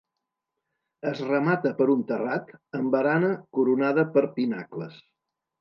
Es remata per un terrat amb barana coronada per pinacles.